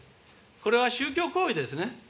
これは宗教行為ですね。